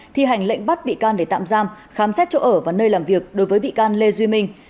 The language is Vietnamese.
thi hành lệnh bắt bị can để tạm giam khám xét chỗ ở và nơi làm việc đối với bị can lê duy minh